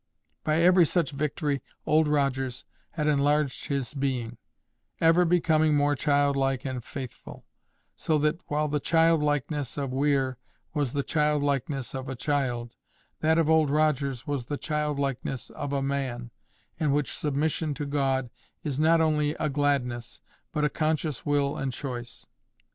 By every such victory Old Rogers had enlarged his being, ever becoming more childlike and faithful; so that, while the childlikeness of Weir was the childlikeness of a child, that of Old Rogers was the childlikeness of a man, in which submission to God is not only a gladness, but a conscious will and choice.